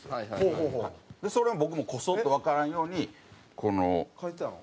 それも僕もこそっとわからんようにこの。替えてたの？